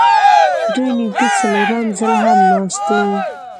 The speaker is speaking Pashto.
دوی نږدې څلورم ځل هم ناست وو